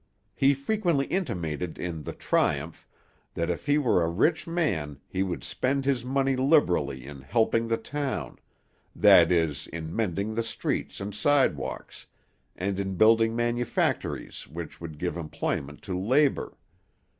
He frequently intimated in the Triumph that if he were a rich man he would spend his money liberally in "helping the town;" that is, in mending the streets and sidewalks, and in building manufactories which would give employment to "labor."